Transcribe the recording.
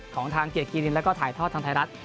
ของทางเกียรติกินินแล้วก็ถ่ายทอดทางไทยรัฐ